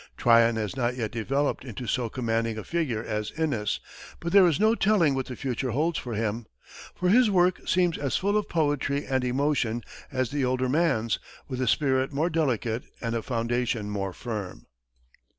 Tryon has not yet developed into so commanding a figure as Inness, but there is no telling what the future holds for him, for his work seems as full of poetry and emotion as the older man's, with a spirit more delicate and a foundation more firm.